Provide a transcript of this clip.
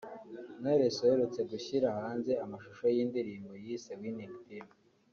Knowless uherutse gushyira hanze amashusho y’i indirimbo yise Winning team